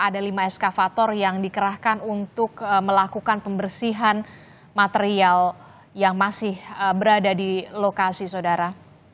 ada lima eskavator yang dikerahkan untuk melakukan pembersihan material yang masih berada di lokasi saudara